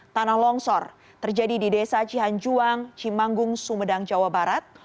tanah longsor terjadi di desa cihanjuang cimanggung sumedang jawa barat